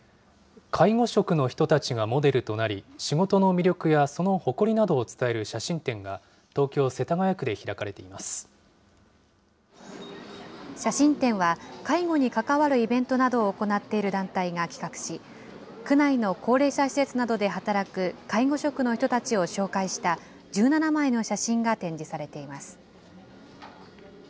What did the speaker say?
介護職の人たちがモデルとなり、仕事の魅力やその誇りなどを伝える写真展が、東京・世田谷区で開写真展は、介護に関わるイベントなどを行っている団体が企画し、区内の高齢者施設などで働く介護職の人たちを紹介した、１７枚の写真が展示されています。